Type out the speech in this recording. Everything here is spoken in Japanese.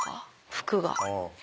服が。